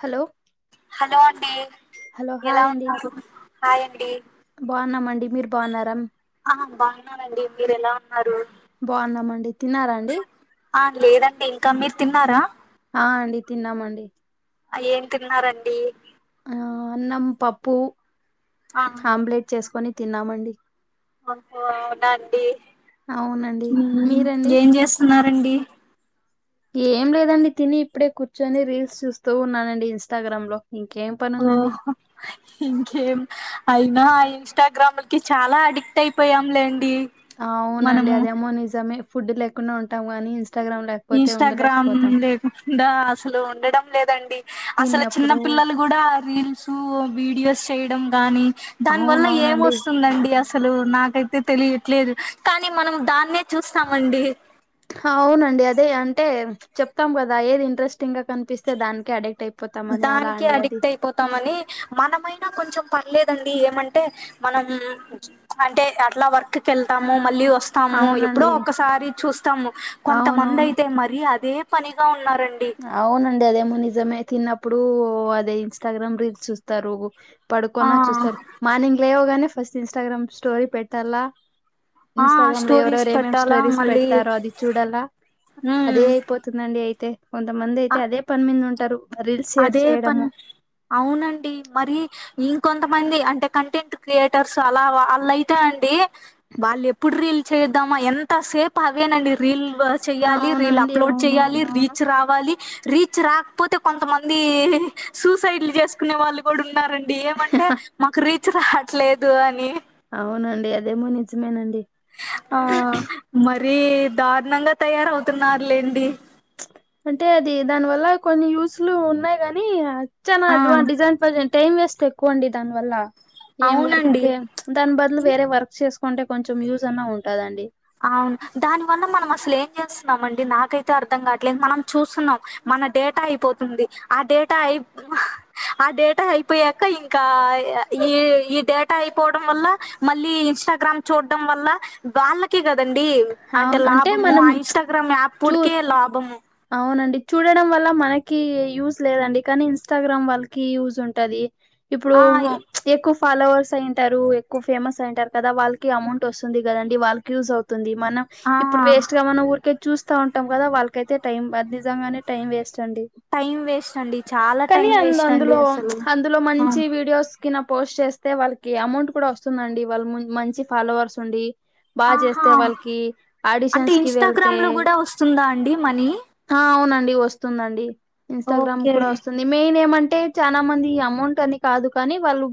Hello hello అండి. Hello ఎలా hi అండి ఉన్నారు హాయ్ అండి. బాగున్నామండి మీరు బాగున్నారా ఆహా బాగున్నానండి. మీరేలా ఉన్నారు? బావున్నామండి. తిన్నార అండి? ఆ లేదండి ఇంకా. మీరు తిన్నారా? ఆ అండి తిన్నామండి. ఆ ఏం తిన్నారండి? ఆ అన్నం, పప్పు, ఆ ఆమ్లెట్ చేసుకొని తిన్నామండి. ఆహ అవునా అండి. అవునండి మీరండి ఏం చేస్తున్నారండి? ఏం లేదండి తిని ఇప్పుడే కూర్చొని రీల్స్ చూస్తూ ఉన్నానండి ఇన్స్టాగ్రామ్లో. ఇంకేం ప ఓహో ఇంకేం అయినా ఆ ఇన్స్టాగ్రామ్లకి చాలా అడిక్ట్ అయిపోయాంలేండి. అవునండి మనము అదేమో నిజమే ఫుడ్ లేకుండా ఉంటాం కాని ఇన్స్టాగ్రామ్ లేక్ ఇన్స్టాగ్రామ్ లేకుండా అసలు ఉండడం లేదండి, అసలు చిన్న తిన్నప్పుడు పిల్లలు కూడా రీల్స్ వీడియోస్ చేయడం గాని దాని వల్ల ఏం అవునవునండి వస్తుందండి అస అసలు నాకైతే తెలియట్లేదు కానీ మనం దాన్నే చూస్తామండి. అవునండి అదే అంటే చెప్తాం కదా ఏది ఇంట్రెస్టింగ్ గా కనిపిస్తే దానికి అడిక్ట్ అయి దానికే అడిక్ట్ అయిపో తమని మనమైనా కొంచెం పర్లేదండి ఏమంటే మనం అంటే అట్లా వర్క్ కి ఎళ్తాము మళ్ళీ వస్ స్తాము, ఎప్పుడో అవునండి ఒకసారి చూస్తాము. కొంతమంది అవునవును అయితే మరీ అదే పనిగా ఉన్నారండి. అవునండి అదేమో నిజమే తిన్నప్పుడు అదే ఇన్స్టాగ్రామ్ రీల్స్ చూస్తరు. పడుకోన్నా ఆ! చూస్తారు, మార్నింగ్ లేవగానే ఫస్ట్ ఇన్స్టాగ్రామ్ స్టోరీ పెట్టాలా. ఆ ఇన్స్టాగ్రామ్లో స్టోరీస్ ఎవరెవరు ఏమేం పెట్టాలా స్టోరీస్ మళ్ళీ పెడతారో అది చూడల అదే ఉమ్ అయిపో తుందండి అయితే కొంతమంది అ అయితే అదే పని మీద్నే ఉంటరు. అదే పని అవునండి మరి ఇంకొంతమంది అంటే కంటెంట్ క్రియేటర్స్ అలా అల్లయితే అండి వాళ్ళు ఎప్పుడు రీల్ చేద్దామా ఎంతసేపు అవేనండి రీల్లు. వ చెయ్యాలి, రీల్ అవునండి అప్లోడ్ చేయాలి, అవునవునవును రీచ్ రావాలి, రీచ్ రాకపోతే కొంతమంది సూసైడ్లు చేసుకునే వాళ్ళు కూడా ఉన్నారండి ఏమంటే మాకు రిచ్ రావట్లేదు అని అవునండి అదేమో నిజమేనండి ఆ మరీ దారుణంగా తయారవుతున్నారులేండి అంటే అది దాని వల్ల కొన్ని యూస్లు ఉన్నాయి గాని చాల ఆ అడ్వాన్ డిజైన్ టైమ్ వేస్ట్ ఎక్కువండి దానివల్ల ఏం వర్క్ అవునండి. చ్ దాని బదులు వేరే వర్క్ చేసుకుంటే కొంచెం యూజ్ అన్నా ఉంటదండి అవును దాని వల్ల మనం అసలు ఏం చేస్తున్నాం అండి నాకైతే అర్థం కావట్లేదు మనం చూస్తున్నాం మన డేటా అయిపోతుంది ఆ డేటా అయి ఆ డేటా అయిపోయాక ఇంకా ఈ ఈ డేటా అయిపోవడం వల్ల మళ్ళీ ఇన్స్టాగ్రామ్ చూడడం వల్ల వాళ్ళ కి కదండి అంటే అవును లాభము ఆ మనం ఇంస్టాగ్రామ్ యాప్ చూ ఉడికే లాభము అవునండి చూడడం వల్ల మనకి యూజ్ లేదండి కానీ ఇన్స్టాగ్రామ్ వాళ్ళకి యూజ్ ఉంటది ఇప్పుడు ఆ ఎక్కువ ఫాలోవర్స్ అయింటారు ఎక్కువ ఫాలోవర్స్ అయింటారు ఎక్కువ ఫేమస్ అయుంటారు కదా వాళ్ళకి అమౌంట్ వస్తుంది కదండి వాళ్ళకి యూజ్ అవు తుంది మన ఆ ఇప్పుడు వేస్ట్ గా మనం ఊరికే చూస్తా ఉంటాం కదా వాళ్ళకైతే టైం నిజంగానే టైం వేస్ట్ అండి టైం వేస్ట్ అండి చాలా కానీ టైం అ వేస్ట్ అండి అందులో అసలు. అందులో ఆ మంచి వీడియోస్ కన పోస్ట్ చేస్తే వాళ్ళకి అమౌంట్ కూడా వస్తుందండి వాళ్ళు మంచి ఫాలోవర్స్ ఉండి బాగా ఆహా! చేస్తే వాళ్ళకి అంటే ఆడిషన్స్ కి వెళ్తే ఇన్స్టాగ్రామ్‌లో గూడా వస్తుందా అండి మనీ ఆ అవునండి వస్తుందండి ఇన్స్టాగ్రామ్ ఓకే కూడా వస్తుంది మెయిన్ ఏమంటే చాలా మంది అమౌంట్ అని కాదు కానీ వాళ్ళు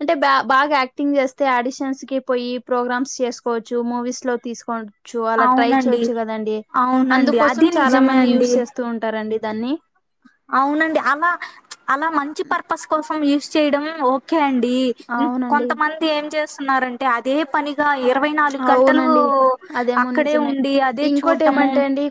అంటే బా బాగా యాక్ థింగ్ చేస్తే ఆడిషన్స్ కి పోయి ప్రోగ్రామ్స్ చేసుకోవచ్చు మూవీస్ లో తీసుకో చువాలా ట్రై అవునండి చేయొచ్చు కదండి అవునండి అందుకోసం అది చాలా నిజమే మంది అండి యూస్ చేస్తూ ఉంటారండి దాన్ని అవునండి అలా అలా మంచి పర్పస్ కోసం యూస్ చేయడం ఓ ఓకే అండి అవునండి కొంతమంది ఏం చేస్తున్నరంటే అది అదే పనిగా ఇరవై నాలుగు గంటలు అవునండి అదేమో అక్కడే నిజమే ఉండి అదే ఇంకోటి చూడ్డము ఏమంటే అండి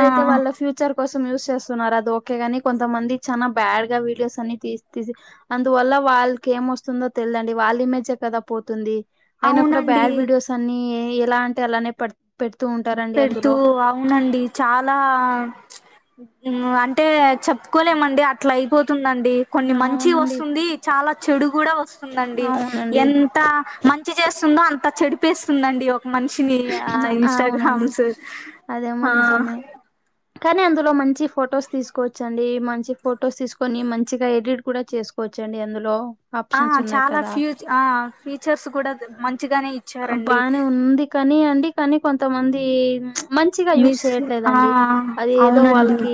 ఆ అయితే వాళ్ళ ఫ్యూచర్ పిక్చర్ కోసం యూజస్ చేస్తున్నారు అది ఓకే గాని కొంతమంది చానా బ్యాడ్ గా వీడియోస్ అన్ని తీసిసి అందువల్ల వాళ్ళకి ఏమొస్తుందో తెలిదండి వాళ్ళ ఇమేజే కదా పోతుంది అయినా కూడా అవునండి బ్యాడ్ వీడియోస్ అన్ని ఎలా అంటే అలానే పడత పెడుతూ అవునండి చాలా అంటే చెప్పుకోలేమండి అట్లా అయిపోతుందండి కొన్ని మంచి అవునండి వస్తుంది చాలా చెడు కూడా వస్తుందండి అవునండి ఎన్ అంత మంచి చేస్తుందో అంత చెడిపేస్తుందండి ఒక మనిషిని ఆ ఇన్స్టాగ అవునండి హుమ్స్ అదేమో ఆ నిజమే కానీ అందులో మంచి ఫొటోస్ తీసుకోవచ్చండి మంచి ఫొటోస్ తీసుకొని మంచిగా ఎడిట్ కూడా చేసుకో వచ్చండి ఎందులో ఆ చాలా ఫ్యూ ఆ ఫీచర్స్ కూడా మంచిగానే ఇచ్చారండి బానే ఉంది కానీ అండి కానీ కొంతమంది మంచిగా యూజ్ మిస్ ఆ చేయట్లేదండి అది ఏదో అవునండి వాళ్ళకి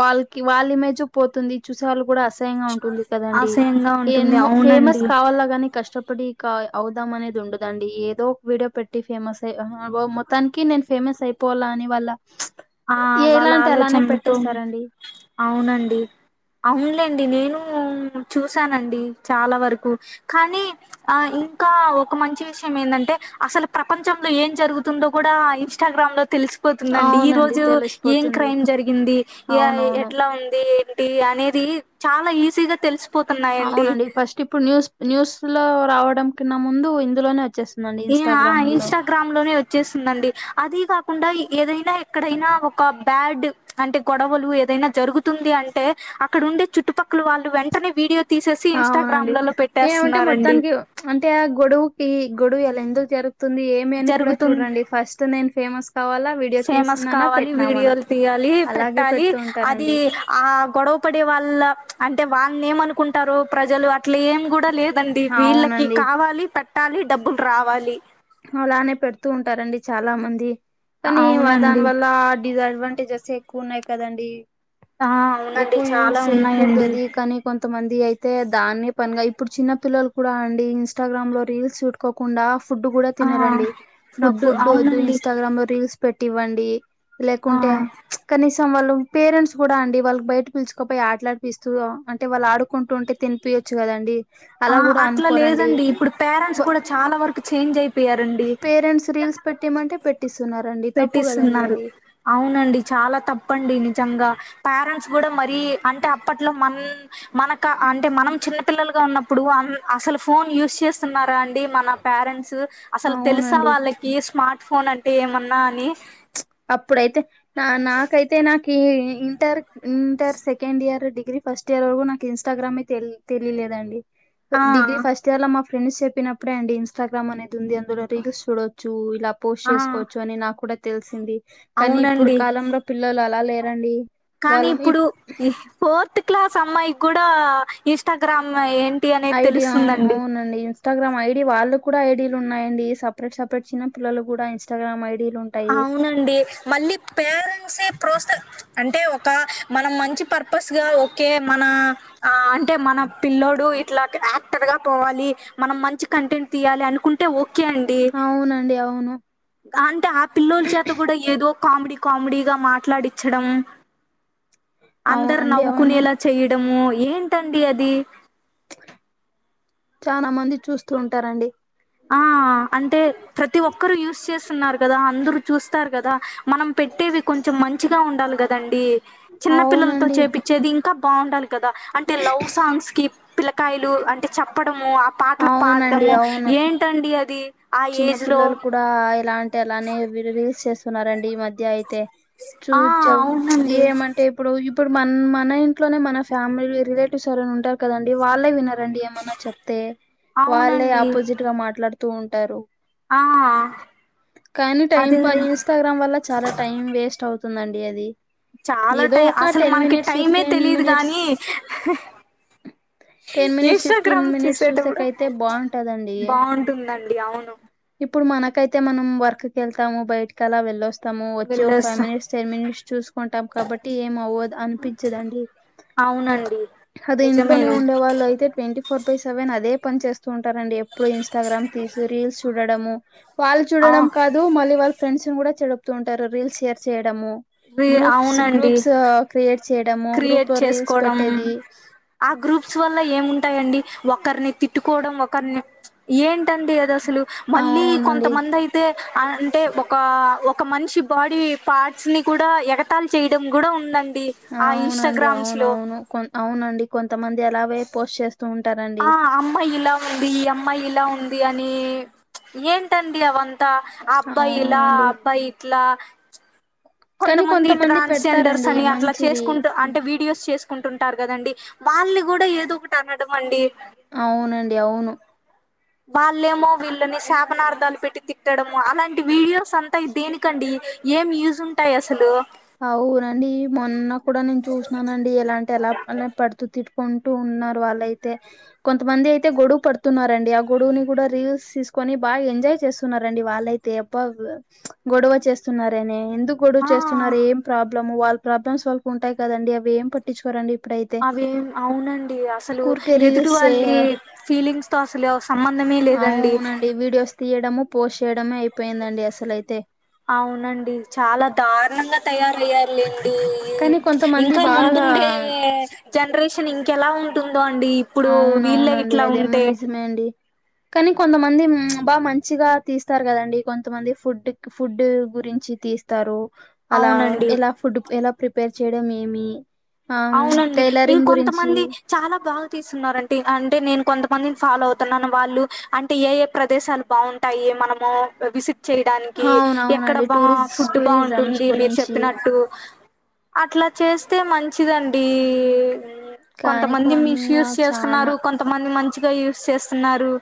వాళ్ళకి వాళ్ళ ఇమేజే పోతుంది చూసే వాళ్ళు కూడా అసలు అసహ్యంగ ఉంటుంది కదండి అసహ్యంగా ఉంటుంది ఏమో ఫేమస్ అవునండి కావాలగాని కష్టపడి కా అవుదాం అనేది ఉండదండి ఏదో ఒక వీడియో పెట్టి ఫేమస్ అయి ఆహా మొత్తానికి నేను ఫేమస్ అయిపోల అని వాళ్ళ ఆ వాళ్ళ ఎలాంటి అలానే ఆలోచనలతో పెట్టేస్తారండి అవునండి అవునులేండి నేను చూసానండి చాలా వరకు కానీ ఆ ఇంకా ఒక మంచి విషయం ఏంటంటే అసలు ప్రపంచంలో ఏం జరుగుతుందో కూడా ఇష్ట ఇంస్టాగ్రామ్ లో తెలుసి పోతుందండి ఈ అవునండి రోజు ఏం తెలిసిపోతుంది క్రైమ్ జరిగింది ఏ అవునవును ఎట్లా ఉంది అనేది చాలా ఈజీగా తెలుసు అవునండి ఫస్ట్ ఇప్పుడు న్యూస్ న్యూస్ లో రావడం కన్నా ముందు ఇందులోనే వచ్చేస్తుంది ఈ ఆ ఇన్స్టాగ్రామ్ లోనే వచ్చ వచ్చేస్తుందండి అది కాకుండా ఏదైనా ఎక్కడైనా ఒక బ్యాడ్ అంటె గొడవలు ఏదైనా జరుగుతుంది అంటే అక్కడ ఉండే చుట్టుపక్కల వాళ్ళు వెంట వెంటనే వీడియో తీసేసి అవునండి ఇన్స్టాగ్రామ్లలో ఏమంటే పెట్టేస్తున్నారండి మొత్తానికి అంటే ఆ గొడవకి గొడవ ఇలా ఎందుకు జరుగుతుంది ఏమి అని కూడా జరుగుతుంది చూడండి ఫస్ట్ నేను ఫేమస్ కావాలా విడీ ఫేమస్ కావాలి వీడియోలు తీయాలి అలాగే పెట్టాలి పెడుతూ అది ఉంటారండి ఆ గొడవ పడే వాళ్ళ అంటే వాళ్ళని ఏమనుకుంటారు ప్రజలు అట్ల ఏం కూడా లేదు కదండి వీళ్ళకి అవునండి కావాలి పెట్టాలి డబ్బులు రావాలి అలానే పెడుతూ ఉంటారండి చాలా మంది కానీ దాని అవునండి వల్ల డిస్ అడ్వాంటేజెస్ ఎక్కువ ఉన్నాయి కదండి ఆ అవునండి ఎక్కువ యూస్ చాలా చేయకూడదు ఉన్నాయండి అది కాని కొంతమంది అయితే దాన్నే పనిగా ఇప్పుడు చిన్న పిల్లలు కూడా అండి ఇంస్టాగ్రామ్ లో రీల్స్ పెట్టుకోకుండా ఫుడ్ కూడా ఆ తినరండి ఇప్పుడు నాకు ఫుడ్ వదు ఇన్స్టాగ్రామ్ లో రీల్స్ పెట్టివ్వండి ఆ లేకుంటే కనీసం వాళ్ళు పేరెంట్స్ కూడా అండి వాళ్ళకి బయట పిలుచుకపోయి ఆట్లాడిపిస్తూ అంటే వాళ్ళు ఆడుకుంటుంటే తినిపియొచ్చు కదండి అలా ఆ కూడా అట్లా అనుకోరండి లేదండి ఇప్పుడు పేరెంట్స్ కూడా చాలా వరకు చేంజ్ అయిపో పేరెంట్స్ రీల్స్ పెట్టటిమంటే పెట్టిస్తున్నారండి తప్పు కదండి పెట్టిస్తున్నారు అది అవునండి చాలా తప్పండి నిజంగా పేరెంట్స్ కూడా మరీ అంటే అప్పట్లో మన మనక అంటే మనం చిన్నపిల్లలుగా ఉన్నప్ ఇప్పుడు అసలు ఫోన్ యూజ్ చేస్తున్నారా అండి మన పేరెంట్స్ అసలు తెలుసా అవునండి వాళ్ళకి ఈ స్మార్ట్ ఫోన్ అంటే ఏమన్నా అని అప్పుడైతే నా నాకైతే నాకు ఈ inter inter second year degree first year వరకు నాకు ఇన్స్టాగ్రామే తెలియలేదండి ఆ డిగ్రీ ఫస్ట్ ఇంటర్లో మా ఫ్రెండ్స్ చెప్పినప్పుడే అండి ఇన్స్టాగ్రామ్ అనేది ఉంది అందులో రీల్స్ చూడచ్చు ఇలా పోస్ట్ ఆ చేసుకోవచ్చు అని నాకు కూడా తెలిసింది కానీ ఇప్పుడు అవునండి కాలంలో పిల్లలు అలా లేరండి కానీ వాళ్ళు ఇప్పుడు ఇప్ ఫోర్త్ క్లాస్ అమ్మాయి కూడా ఇన్స్టాగ్రామ్ ఏ ఐడియా అవునండి అసలు ఇస్టాగ్రామ్ ఐడీ వాళ్ళ కూడా ఐడీలు ఉన్నాయండి సపరేట్ సపరేట్ చిన్న పిల్లలు కూడా ఇస్టాగ్రామ్ ఐడీలు ఉంటాయి అవునండి మళ్ళీ పేరెంట్స ప్రోత్స అంటే ఒక మనం మంచి పర్పస్ గా ఒకే మన ఆ అంటే మన పిల్ల్లోడు ఇట్లా యాక్టర్ గా పోవాలి మనం మంచి కంటెంట్ తీయాలి అనుకుంటే ఓకే అండి అవునండి అవును అంటే ఆ పిల్ల్లోల చేత కూడా ఏదో కామెడీ కామెడీగా మాట్లాడించడం అందరు అవునండి అవును నవ్వుకునేలా చేయడము ఏంటండి అది చానా మంది చూస్తూ ఉంటారండి ఆ అంటే ప్రతి ఒక్కరుూ యూస్చేస్తున్నారు కదా అందరుూ చూస్తారు కదా మనం పెట్టేవి కొంచెం మంచిగా ఉండాలి కదండి చిన్న పిల్లలతో అవునండి చేపి చెది ఇంకా బాగుండాలి కదా అంటే లవ్ సాంగ్స్కి పిల్లకాయలు అంటే చెప్పడమూ పాటలు అవునండి పడము అవును ఏంటండీ అది ఆ చిన్న ఏజ్ లో పిల్లలు కూడా ఇలాంటి అలానే రీల్స్ చేస్తున్నారండి ఈ మధ్ ద్య అయితే చూ ఆ చం అవునండి ఏమంటే ఇప్పుడు ఇప్పుడు మన్ మన ఇంట్లోనే మన ఫ్యామిలీ రిలేటివ్స్ ఎరైనా ఉంటారు కదండి వాళ్ళే వినర్ రండి ఏమన్నా చెప్తే వాళ్ళే అవునండి ఆపోజిట్గా మాట్లాడుతూ ఉంటారు ఆ కానీ టై అదే పై ఇంస్టాగ్రామ్ వల్ల చాలా టైం వేస్ట్ అవుతుందండి అది చాలా ఏదో టైం ఒక అసాల్ టెన్ మనకి మినిట్స్ టైమే ఫిఫ్టీన్ తెలిదు మినిట్స్ గానీ ten minutes fifteen Instagram minutes చూసేటప్పుడు చూసాకయితే బాగుంటదండి బావుంటుందండి అవును ఇప్పుడు మనకైతే మనం వర్క్కి వెళ్తాము బయటకి అలా వెళ్ళొస్తా తాము వచ్చి ఒక ఫైవ్ వెళ్ళొస్తా మినిట్స్ టెన్ మినిట్స్ చూసుకుంటాం కాబట్టి ఏం అవ్వదు అనిపించదండి అవును అది ఇంట్లోనే ఉండే వాళ్ళు అయితే ట్వంటీ ఫోర్ టు సెవెన్ అదే పని చేస్తూ ఉంటారండి ఎప్పుడు ఇంస్టాగ్రామ్ రీల్స్ చూడడము వాళ్ళు అవు చూడడం కాదు మళ్ళీ వాళ్ళ ఫ్రెండ్స్ను కూడా చెడుపుతూ ఉంటారు రీల్స్ షేర్ చేయడము రి గ్రూప్స్ అవునండి గ్రూప్స్ క్రియేట్ చేయడము క్రియేట్ గ్రూప్లో రీల్స్ చేసుకోవడం పెట్టేది ఆ గ్రూప్స్ వల్ల ఏముంటాయండి ఒకరిని తిట్టుకోవడం ఒకరిని ఏంటండి అది అసలు మళ్ళీ కొంత అవునండి మంది అయి టె అంటే ఒకా ఒక మనిషి బాడీ పార్ట్స్ ని కూడా ఎగతాలి చేయడం గుడా ఉందం ఆ ఇన్స్టాగ్రామ్స్ లో కొం అవునండి కొంతమంది అలాగే పోస్ట్ చేస్త ఉంటార ఆ అమ్మా ఇలా ఉంది ఈ అమ్మాయి ఇలా ఉంది అనీ ఏంటండీ అవంతా ఆ అబ్బాయి ఇలా ఆ అవునండి అబ్బాయిట్లా కానీ కొంతమంది ట్రాన్స్ జెండర్స్ పెడతారండి అని అట్లా మంచివి చేసుకుంటూ అ హ్మ్. వీడియోస్ చేసుకుంటుంటారు కదండి వాళ్ళని కూడా ఏదో ఒకటి అనడం అండి అవునండి అవును వాళ్ళేమో వీళ్ళని శాపనార్ధాలు పెట్టి తిట్టడము అలాంటి వీడియోస్ అంతా దేనికి ఎందుకండి ఏం యూజ్ ఉంటాయి అసలు అవునండి మొన్న కూడా నేను చూసిననండి ఎలాంటి ఎలా పడుతుూ తిరు కొంటూ ఉన్నారు వాళ్ళయితే కొంతమంది అయితే గొడువు పడుతున్నారండి ఆ గొడువుని కూడా రీల్స్ తీసుకొని బాగా ఎంజాయ్ చేస్తున్నారండి వాళ్ళైతే తెప్ప గొడవ చేస్తున్నారనేం గొడవ ఆ చేస్తున్నారు ఏం ప్రాబ్లమ్ము వాళ్ళ ప్రాబ్లమ్స్ వాళ్ళకు ఉంటాయి కదండి అవేం అవేం అవునండి అసలు ఊరికే ఎదుటి రీల్స్ చే వాళ్ళ ఫీలింగ్స్ తొ అసాలు సంబంధమే లేదండి అవునండి వీడియోస్ తీయడము పోస్ట్ చేయడమే అయిపోయిందండి అసలైతే అవునండి చాలా దారుణంగా తయారయ్యారులేండి కానీ కొంతమంది ఇంకా బాగా ముందుండే జనరేషన్ ఇంకెలా ఉంటుందో అండి ఇప్పుడు అవును వీళ్ళే అవునండి ఇట్లా అదేమో ఉంటే నిజమే అండి కానీ కొంతమంది బా మంచిగా తీస్తారు కదండి కొంతమంది ఫుడ్ ఫుడ్ గురించి తీస్తారు అలా అవునండి. ఎలా ఫుడ్ ఎలా ప్రిపేర్ చేయడం ఏమి ఆ అవునండి టైలరింగ్ గురించి ఇంకొంతమంది చాలా బాగా తీస్తున్నారంటి అంటే నేను కొంతమందిని ఫాలో అవుతున్నాను వాళ్ళు అంటే ఏ ఏ ప్రదేశాలు బావ్ ఉంటాయి మనమూ విసిప్ చెయ్యడానికి ఎక్కడ అవునవునండి బా టూరిస్ ఫుడ్ టూరిజమ్స్ బావుంటుంది మీరు గురించి చెప్పినట్టు అట్లా చేస్తే మంచిదండీ కానీ కొంతమంది మిస్ కొంద యూస్ చానా చేస్తున్నారు కొంతమంది మంచిగా యూస్ చేస్తున్నారు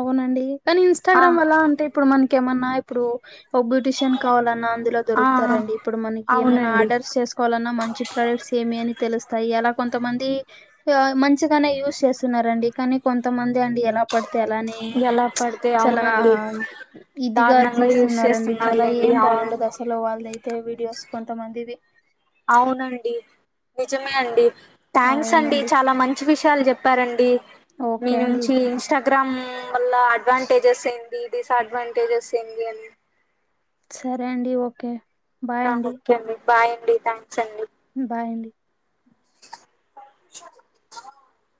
అవునండి కానీ ఆ ఇన్స్టాగ్రామ్ వల్ల అంటే ఇప్పుడు మనకేమన్నా ఇప్పుడు ఒక బ్యూటీష ఏనకావాలన్నా అందులో ఆ దొరుకుతారండి ఇప్పుడు మనకి ఏమైనా అవునండి ఆర్డర్స్ చేసు కోవాలన్నా మంచి ప్రొడక్ట్స్ ఏమి అని తెలుస్తాయి అలా కొంతమంది ఆ మంచిగానే యూజ్ చేస్తున్నారండి కానీ కొంతమంది అండి ఎలా పడితే అలానే ఎలా పడితే చాలా అవునండి ఇదిగా దారుణంగా యూస్ తీస్తున్నారండి చాలా చేస్తున్నారులేండి ఏం అవును బాండదు అసల్ అసలు వాళ్ళదైతే వీడియోస్ కొంతమందిది అవునండి నిజమే అండి థాంక్స్ అండి అవునండి. చాలా మంచ్ మంచి విషయాలు చెప్పారండి మీ ఓకే అండి. నుంచి ఇన్స్టా గ్రామ్ వల్ల అడ్వాంటేజెస్ ఏంటి డిసఅడ్వాంటేజెస్ ఏంటి అని సరే అండి ఓకే నా ఓక్కే అండి బాయ్ అండి థ్యాంక్స్ అండి బాయండి స